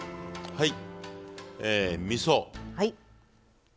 はい。